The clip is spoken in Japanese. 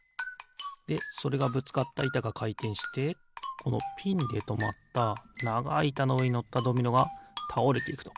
でそれがぶつかったいたがかいてんしてこのピンでとまったながいいたのうえにのったドミノがたおれていくと。